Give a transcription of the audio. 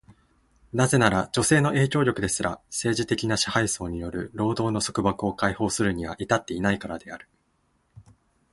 なぜなら、女性の影響力ですら、政治的な支配層による労働の束縛を解放するには至っていないからである。